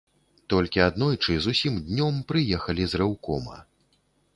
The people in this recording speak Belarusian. Толькі аднойчы, зусім днём, прыехалі з рэўкома.